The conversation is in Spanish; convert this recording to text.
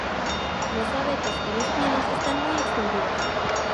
Los abetos y los pinos están muy extendidos.